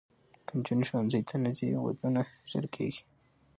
که نجونې ښوونځي ته نه ځي، ودونه ژر کېږي.